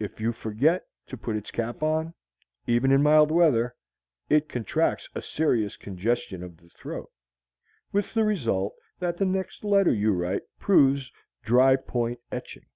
If you forget to put its cap on, even in mild weather, it contracts a serious congestion of the throat; with the result that the next letter you write proves dry point etching.